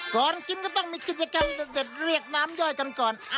ก่อนกินก็ต้องมีกิจกรรมเด็ดเรียกน้ำย่อยกันก่อน